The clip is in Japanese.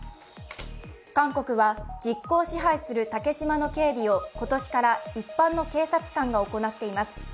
韓国は実効支配する竹島の警備を今年から一般の警察官が行っています。